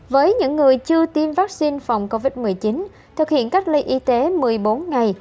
với những người chưa tiêm vaccine phòng covid một mươi chín thực hiện cách ly y tế một mươi bốn ngày